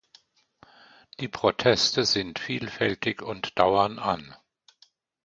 Die Proteste sind vielfältig und dauern an.